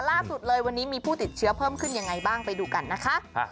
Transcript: ล่าสุดเลยวันนี้มีผู้ติดเชื้อเพิ่มขึ้นยังไงบ้างไปดูกันนะคะ